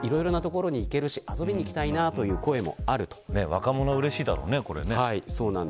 若者はうれしいだろうねこれね。